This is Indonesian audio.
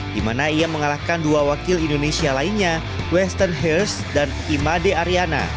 di mana ia mengalahkan dua wakil indonesia lainnya western hers dan imade ariana